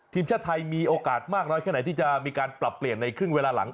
ทีมชาติไทยมีโอกาสมากน้อยแค่ไหนที่จะมีการปรับเปลี่ยนในครึ่งเวลาหลัง